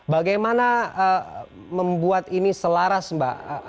bagaimana membuat ini selaras mbak